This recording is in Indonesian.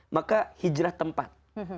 maka hijrah tempat